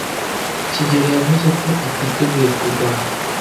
kigeli yavuze ko atiteguye kurwana